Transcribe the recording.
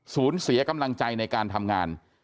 เสียกำลังใจในการทำงาน